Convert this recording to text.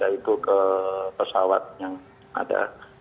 nah itu ke pesawat yang ada